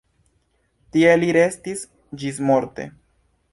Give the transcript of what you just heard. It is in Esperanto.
Tie li restis ĝismorte.